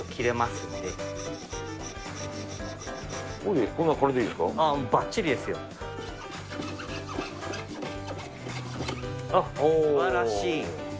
すばらしい。